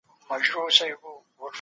موږ د شیدو په څښلو مصروفه یو.